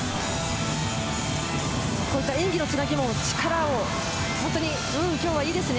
こういった演技の繋ぎも力を本当に今日はいいですね。